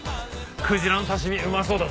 くじらの刺し身うまそうだぞ。